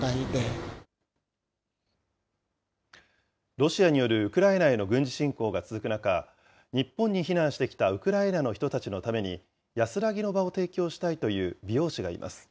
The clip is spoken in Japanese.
ロシアによるウクライナへの軍事侵攻が続く中、日本に避難してきたウクライナの人たちのために、安らぎの場を提供したいという美容師がいます。